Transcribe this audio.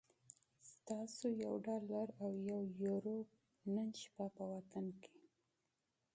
ستاسو یو ډالر او یوه یورو نن شپه په وطن کی